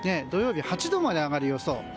土曜日８度まで上がる予想。